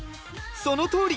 そのとおり。